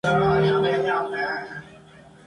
Su sueño es convertirse en un Meister en Aria.